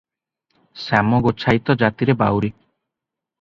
ଶ୍ୟାମ ଗୋଚ୍ଛାଇତ ଜାତିରେ ବାଉରୀ ।